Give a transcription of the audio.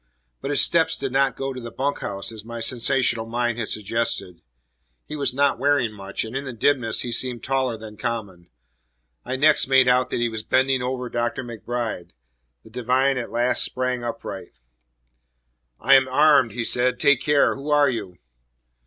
But his steps did not go to the bunk house, as my sensational mind had suggested. He was not wearing much, and in the dimness he seemed taller than common. I next made out that he was bending over Dr. MacBride. The divine at last sprang upright. "I am armed," he said. "Take care. Who are you?"